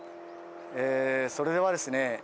それではですね